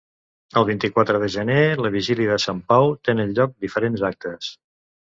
El vint-i-quatre de gener, la vigília de Sant Pau, tenen lloc diferents actes.